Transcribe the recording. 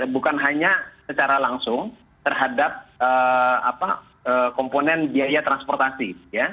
bukan hanya secara langsung terhadap komponen biaya transportasi